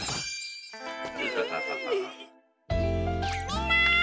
みんな！